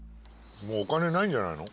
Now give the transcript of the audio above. もうお金ないんじゃないの？